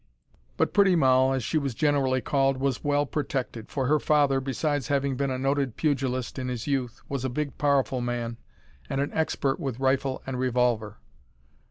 But pretty Moll, as she was generally called, was well protected, for her father, besides having been a noted pugilist in his youth, was a big, powerful man, and an expert with rifle and revolver.